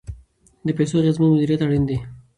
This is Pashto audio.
د پیسو اغیزمن مدیریت اړین دی.